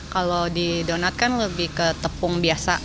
kalau di donat kan lebih ke tepung biasa